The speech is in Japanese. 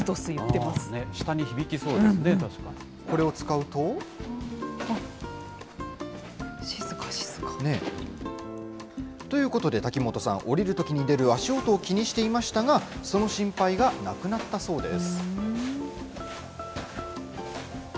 これを使うと。ということで、滝本さん、降りるときに出る足音を気にしていましたが、その心配がなくなったそうです。